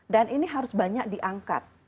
ini harus banyak diangkat